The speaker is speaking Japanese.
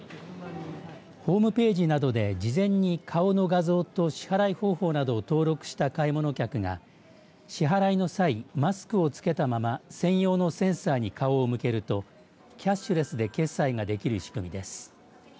ホームページなどで事前に顔の画像と支払い方法などを登録した買い物客が支払いの際、マスクを着けたまま専用のセンサーに顔を向けるとキャッシュレスで決済ができる仕組みです。